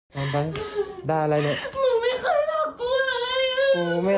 หัวฟาดพื้น